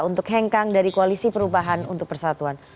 untuk hengkang dari koalisi perubahan untuk persatuan